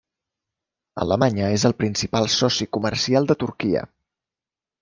Alemanya és el principal soci comercial de Turquia.